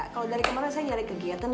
kalau dari kemarin saya nyari kegiatan